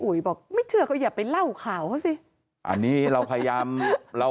บอกไม่เชื่อก็อย่าไปเล่าข่าวเขาสิอันนี้เราพยายามเรา